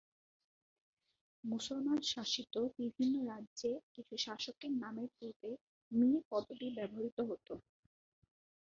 মুসলমান শাসিত বিভিন্ন রাজ্যে কিছু শাসকের নামের পূর্বে "মীর" পদবি ব্যবহৃত হতো।